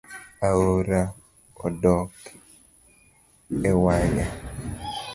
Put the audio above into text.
Aora odok ewange